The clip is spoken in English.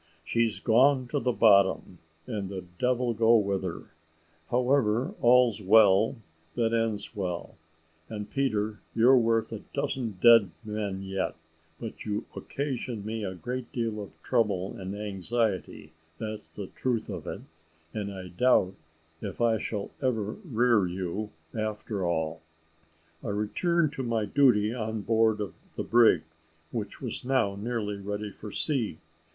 She's gone to the bottom, and the devil go with her; however, all's well that ends well, and Peter, you're worth a dozen dead men yet; but you occasion me a great deal of trouble and anxiety, that's the truth of it, and I doubt if I shall ever rear you, after all." I returned to my duty on board of the brig, which was now nearly ready for sea.